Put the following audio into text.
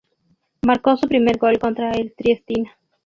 Marcó su primer gol contra el Triestina.